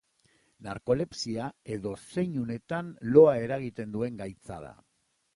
Narkolepsia edozein unetan loa eragiten duen gaitza da.